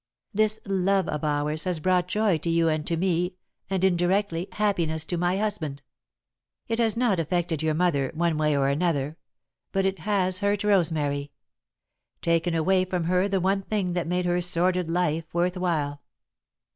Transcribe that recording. This love of ours has brought joy to you and to me, and, indirectly, happiness to my husband. It has not affected your mother, one way or another, but it has hurt Rosemary taken away from her the one thing that made her sordid life worth while.